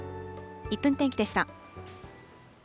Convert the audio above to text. １分天気でした。